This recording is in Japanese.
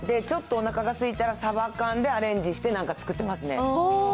ちょっとおなかがすいたらサバ缶でアレンジして、なんか作ってますね。